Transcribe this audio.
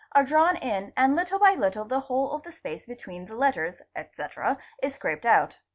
are drawn in and little by little the whole of the space between the letters, etc., is scraped out.